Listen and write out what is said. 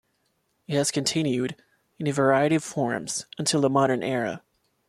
It has continued, in a variety of forms, until the modern era.